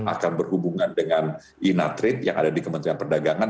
akan berhubungan dengan inatrid yang ada di kementerian perdagangan